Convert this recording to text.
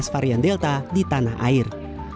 varian delta di tanah air